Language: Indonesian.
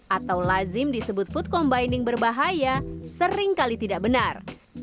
atau lazim disebut food combining berbahaya seringkali tidak benar